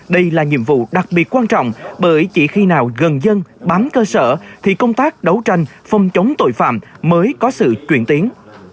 đây là nhiệm vụ đặc biệt quan trọng bởi chỉ khi nào gần dân bám cơ sở thì công tác đấu tranh phòng chống tội phạm mới có sự chuyển tiến